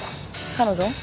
彼女？